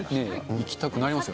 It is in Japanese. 行きたくなりますよね。